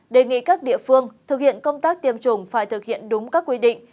đề nghị các địa phương thực hiện công tác tiêm chủng phải thực hiện đúng các quy định